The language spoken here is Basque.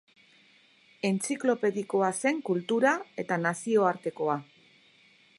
Entziklopedikoa zen kultura, eta nazioartekoa.